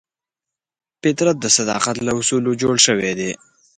فطرت د صداقت له اصولو جوړ شوی دی.